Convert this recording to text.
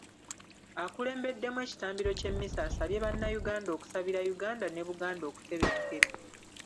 Akulembeddemu ekitambiro ky’emmisa asabye bannayuganda okusabira Uganda ne Buganda okutebenkera.